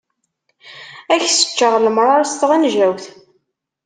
Ad ak-seččeɣ lemṛaṛ s tɣenjawt.